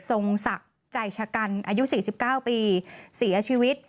ทรงศักดิ์ใจชะกันอายุ๔๙ปีเสียชีวิต